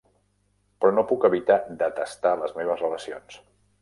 Però no puc evitar detestar les meves relacions.